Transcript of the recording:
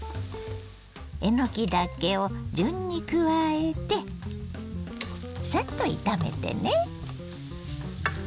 えのきだけを順に加えてサッと炒めてね。